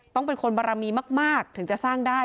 ต้องเป็นคนบารมีมากถึงจะสร้างได้